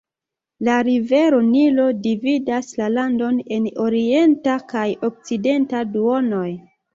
La rivero Nilo dividas la landon en orienta kaj okcidenta duonoj.